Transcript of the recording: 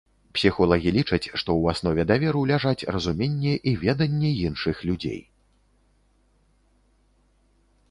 Псіхолагі лічаць, што ў аснове даверу ляжаць разуменне і веданне іншых людзей.